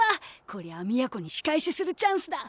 こりゃあ美弥子に仕返しするチャンスだ。